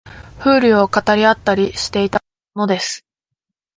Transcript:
風流を語り合ったりしていたものです